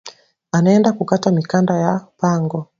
Anaenda kukata mikanda ya pango